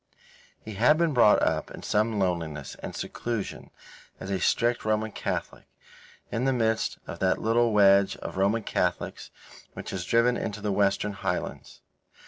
He had been brought up in some loneliness and seclusion as a strict Roman Catholic, in the midst of that little wedge of Roman Catholics which is driven into the Western Highlands.